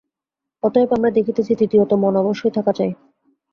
অতএব আমরা দেখিতেছি, তৃতীয়ত মন অবশ্যই থাকা চাই।